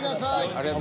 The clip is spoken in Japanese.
ありがとう。